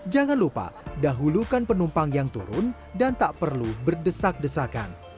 jangan lupa dahulukan penumpang yang turun dan tak perlu berdesak desakan